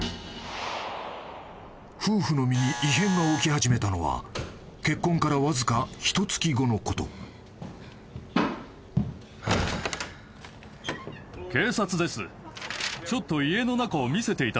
［夫婦の身に異変が起き始めたのは結婚からわずかひとつき後のこと］え